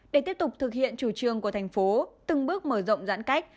để tiếp tục thực hiện chủ trương của thành phố từng bước mở rộng giãn cách